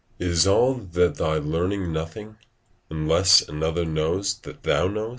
["Is all that thy learning nothing, unless another knows that thou knowest?"